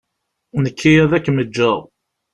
Nekki ad akem-ǧǧeɣ.